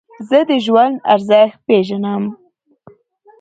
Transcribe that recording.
زه د ژوند ارزښت پېژنم.